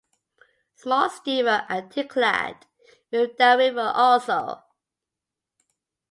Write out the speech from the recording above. Small steamer and tinclad moved downriver also.